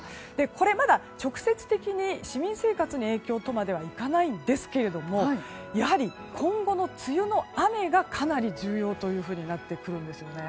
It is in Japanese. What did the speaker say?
これはまだ直接的に市民生活に影響とまではいかないんですけれどもやはり今後の梅雨の雨がかなり重要になってくるんですよね。